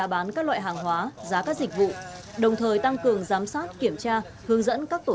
bán các loại hàng hóa giá các dịch vụ đồng thời tăng cường giám sát kiểm tra hướng dẫn các tổ